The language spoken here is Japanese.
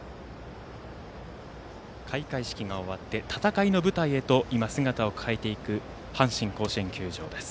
開会式が終わって戦いの舞台へと姿を変えていく阪神甲子園球場です。